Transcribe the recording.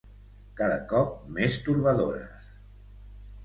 Cada cop més torbadores.